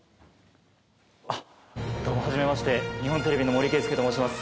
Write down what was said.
あっどうもはじめまして日本テレビの森圭介と申します。